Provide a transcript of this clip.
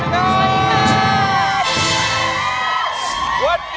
รับแต้มสะสมเอาไว้